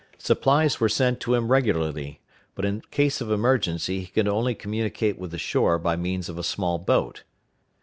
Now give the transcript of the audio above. Supplies were sent to him regularly, but in case of emergency he could only communicate with the shore by means of a small boat.